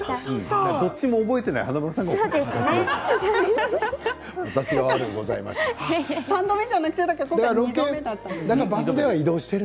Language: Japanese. どっちも覚えていない華丸さんがおかしい。